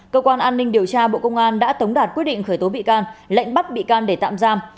cơ quan an ninh điều tra bộ công an đã tống đạt quyết định khởi tố bị can lệnh bắt bị can để tạm giam